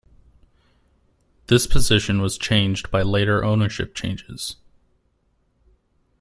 This position was changed by later ownership changes.